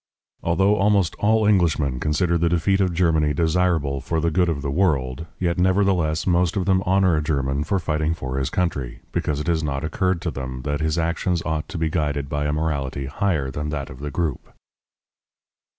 Although almost all Englishmen consider the defeat of Germany desirable for the good of the world, yet nevertheless most of them honor a German for fighting for his country, because it has not occurred to them that his actions ought to be guided by a morality higher than that of the group.